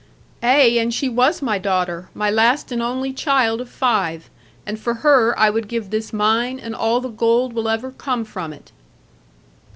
'Ay, and she was my daughter, my last and only child of five; and for her I would give this mine, and all the gold will ever come from it.'